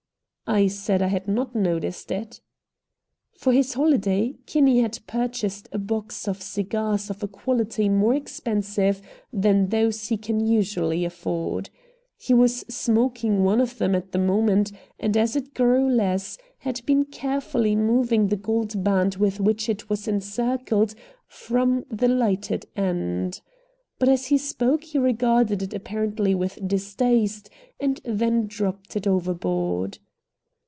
I said I had not noticed it. For his holiday Kinney had purchased a box of cigars of a quality more expensive than those he can usually afford. He was smoking one of them at the moment, and, as it grew less, had been carefully moving the gold band with which it was encircled from the lighted end. But as he spoke he regarded it apparently with distaste, and then dropped it overboard.